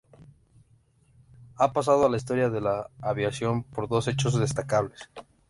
Ha pasado a la historia de la aviación por dos hechos destacables.